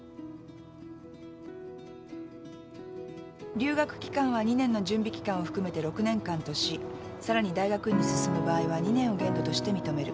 「留学期間は２年の準備期間を含めて６年間としさらに大学院に進む場合は２年を限度として認める。